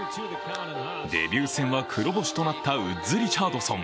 デビュー戦は黒星となったウッズ・リチャードソン。